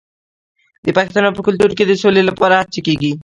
د پښتنو په کلتور کې د سولې لپاره هڅې کیږي.